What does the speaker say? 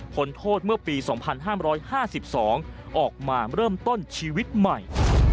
โทษเมื่อปี๒๕๕๒ออกมาเริ่มต้นชีวิตใหม่